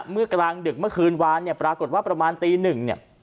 เมื่อกลางดึกเมื่อคืนวานเนี่ยปรากฏว่าประมาณตีหนึ่งเนี่ย